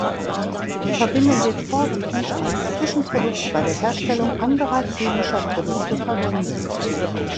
Die Verbindung wird vorwiegend als Zwischenprodukt bei der Herstellung anderer chemischer Produkte verwendet.